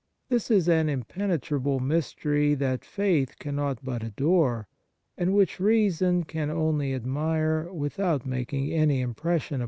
This is an impene trable mystery that faith cannot but adore, and which reason can only admire without making any impres sion upon it.